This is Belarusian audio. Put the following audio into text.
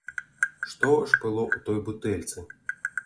Што ж было ў той бутэльцы?